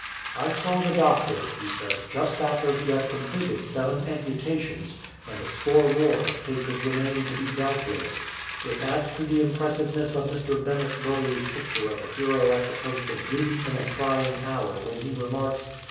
"I saw the doctor," he says, "just after he had com pleted seven amputations, and a score more of cases remained to be dealt with.*" It adds to the impressiveness of Mr. Bennet Burleigh's picture of a hero at the post of duty in a trying hour when he remarks